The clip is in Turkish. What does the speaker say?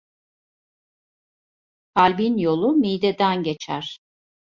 Kalbin yolu mideden geçer.